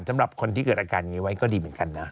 สำหรับคนที่เกิดอาการอย่างนี้ไว้ก็ดีเหมือนกันนะ